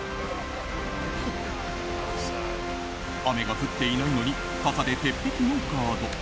雨が降っていないのに傘で鉄壁のガード。